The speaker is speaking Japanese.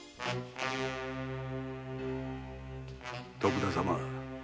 蝮徳田様